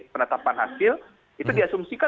penetapan hasil itu diasumsikan